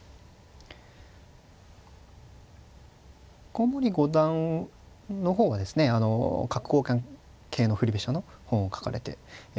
古森五段の方はですね角交換系の振り飛車の本を書かれていたと思いますね。